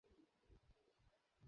তারা অগ্রিম টাকাও দিয়েছে।